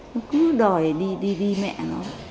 nó cứ đòi đi đi đi mẹ nó